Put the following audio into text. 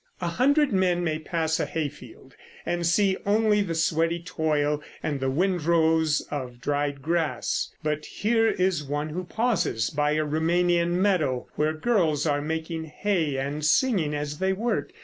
A hundred men may pass a hayfield and see only the sweaty toil and the windrows of dried grass; but here is one who pauses by a Roumanian meadow, where girls are making hay and singing as they work.